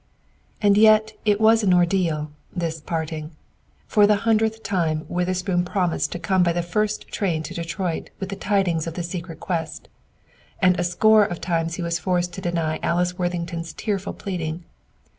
And yet it was an ordeal, this parting. For the hundredth time, Witherspoon promised to come by the first train to Detroit with the tidings of the secret quest, and a score of times he was forced to deny Alice Worthington's tearful pleading.